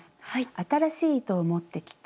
新しい糸を持ってきて。